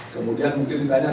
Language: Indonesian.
kemudian mungkin ditanya